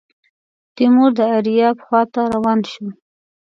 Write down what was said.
تیمور د ایریاب خواته روان شو.